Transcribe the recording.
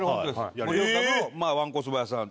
盛岡のわんこそば屋さん。